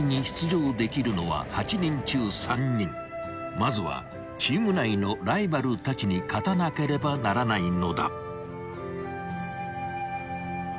［まずはチーム内のライバルたちに勝たなければならないのだ］